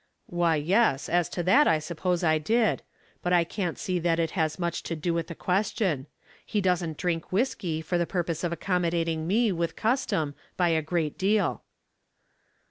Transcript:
"Why, yes; as to that, I suppose I did. But I can't see that it has much to do with the question. He doesn't drink whisky for the Weighty Matters in Small Scales, 149 purpose of accommodating me with custom, by a great deal.'